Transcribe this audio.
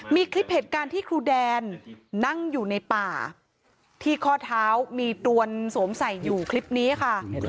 มีคลิปเหตุการณ์ที่ครูแดนนั่งอยู่ในป่าที่ข้อเท้ามีตรวนสวมใส่อยู่คลิปนี้ค่ะ